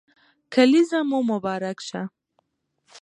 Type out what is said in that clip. کلېزه مو مبارک شه